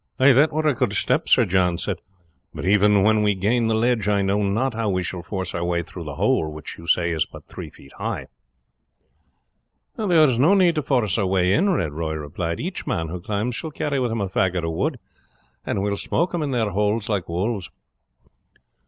"That were a good step," Sir John said; "but even when we gain the ledge I know not how we shall force our way through the hole, which you say is but three feet high." "There is no need to force our way in," Red Roy replied; "each man who climbs shall carry with him a faggot of wood, and we will smoke them in their holes like wolves."